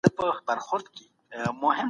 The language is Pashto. دا قانون دی په تیاره پسي رڼا سته